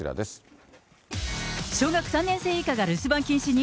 小学３年生以下が留守番禁止に？